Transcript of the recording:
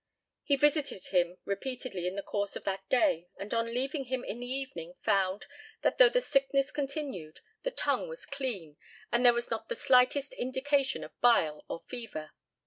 He visited him repeatedly in the course of that day, and on leaving him in the evening found, that though the sickness continued, the tongue was clean, and there was not the slightest indication of bile or fever.